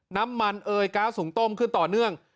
น้ำมันเอยก๊าซสูงต้มขึ้นต่อเนื่อง